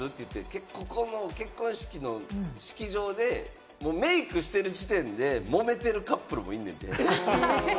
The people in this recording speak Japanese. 結構、結婚式の式場でもうメイクしてる時点でもめてるカップルもいるねんて。